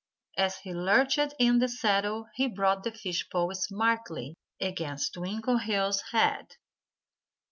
As he lurched in the saddle he brought the fish pole smartly against Twinkleheels' head.